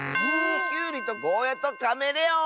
きゅうりとゴーヤーとカメレオン！